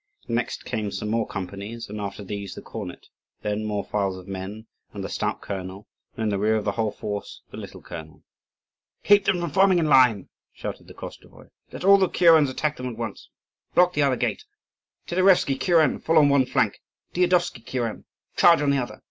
Next came some more companies, and after these the cornet, then more files of men, and the stout colonel; and in the rear of the whole force the little colonel. "Keep them from forming in line!" shouted the Koschevoi; "let all the kurens attack them at once! Block the other gate! Titarevsky kuren, fall on one flank! Dyadovsky kuren, charge on the other!